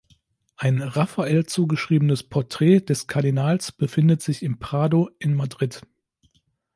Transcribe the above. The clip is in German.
Ein Raffael zugeschriebenes Porträt des Kardinals befindet sich im Prado in Madrid.